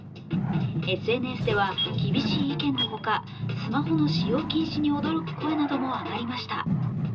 ＳＮＳでは厳しい意見のほか、スマホの使用禁止に驚く声なども上がりました。